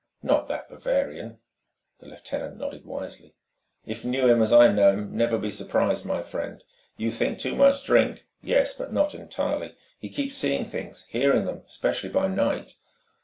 "Not that Bavarian?" The lieutenant nodded wisely. "If 'knew him as I know him, 'never be surprised, my friend. You think too much drink. Yes, but not entirely. He keeps seeing things, hearing them, especially by night."